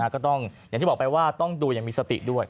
ก็ต้องอย่างที่บอกไปว่าต้องดูอย่างมีสติด้วย